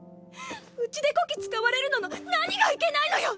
うちでこき使われるのの何がいけないのよ！